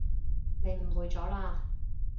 你誤會咗喇